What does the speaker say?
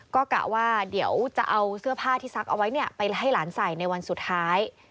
ก็กะว่าเดี๋ยวจะเอาเสื้อผ้าที่ซักเอาไว้ไปให้หลานใส่ในวันสุดท้าย